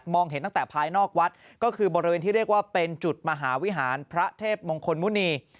เห็นตั้งแต่ภายนอกวัดก็คือบริเวณที่เรียกว่าเป็นจุดมหาวิหารพระเทพมงคลมุณี